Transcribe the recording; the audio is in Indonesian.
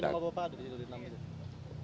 tapi nama apa apa ada di dalam itu